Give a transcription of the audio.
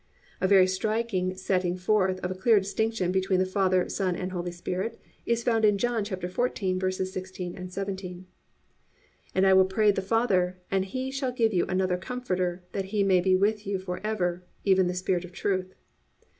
"_ 6. A very striking setting forth of a clear distinction between the Father, Son and Holy Spirit is found in John 14:16, 17: +"And I will pray the Father, and He shall give you another Comforter that He may be with you for ever, even the Spirit of truth."